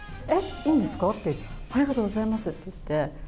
いいんですか、ありがとうございますって言って。